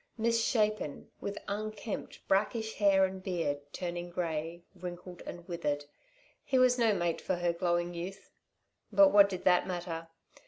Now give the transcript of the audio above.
Misshapen, with unkempt, brakish hair and beard, turning grey, wrinkled and withered, he was no mate for her glowing youth! But what did that matter?